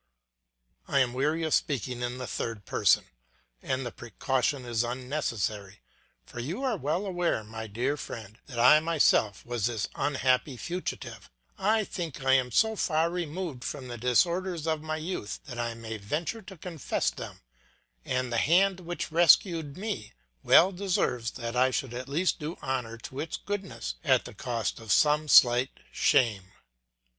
I am weary of speaking in the third person, and the precaution is unnecessary; for you are well aware, my dear friend, that I myself was this unhappy fugitive; I think I am so far removed from the disorders of my youth that I may venture to confess them, and the hand which rescued me well deserves that I should at least do honour to its goodness at the cost of some slight shame.